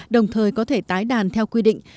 đồng thời có thể tái đàn theo quy định